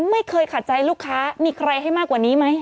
ไม่เคยขาดใจลูกค้ามีใครให้มากกว่านี้ไหม